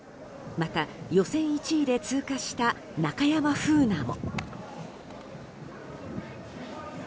また予選１位で通過した中山楓奈も。